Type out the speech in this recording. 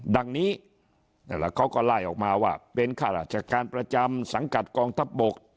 ดังนี้นั่นแหละเขาก็ไล่ออกมาว่าเป็นข้าราชการประจำสังกัดกองทัพบก